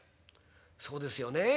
「そうですよねえ